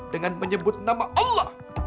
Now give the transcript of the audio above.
dengan menyebut nama allah